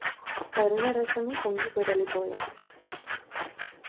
కరుణరసము పొంగి పొరలిపోయె